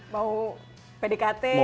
mau pdkt gitu ya